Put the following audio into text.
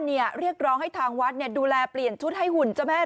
เนี่ยเรียกร้องให้ทางวัดเนี่ยดูแลเปลี่ยนชุดให้หุ่นจะแม่